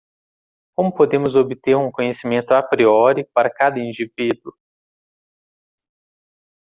Como podemos obter um conhecimento a priori para cada indivíduo?